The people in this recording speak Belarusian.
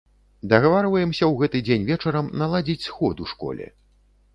Дагаварваемся ў гэты дзень вечарам наладзіць сход у школе.